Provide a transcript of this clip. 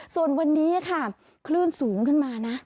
ส่วนวันนี้ค่ะคลื่นสูงขึ้นมานะ